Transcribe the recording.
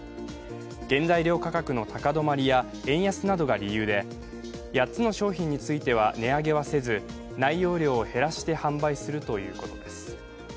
原材料価格の高止まりや円安などが理由で８つの商品については値上げはせず内容量を減らして販売するということです。